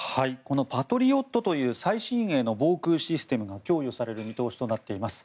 パトリオットという最新鋭の防空システムが供与される見通しとなっています。